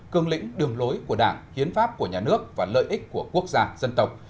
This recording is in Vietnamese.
cương lĩnh đường lối của đảng hiến pháp của nhà nước và lợi ích của quốc gia dân tộc